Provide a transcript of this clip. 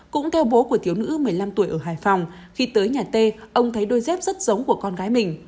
cũng theo bố của thiếu nữ một mươi năm tuổi ở hải phòng khi tới nhà tê ông thấy đôi dép rất giống của con gái mình